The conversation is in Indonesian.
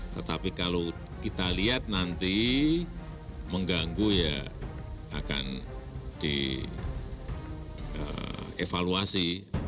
tetapi kalau kita lihat nanti mengganggu ya akan dievaluasi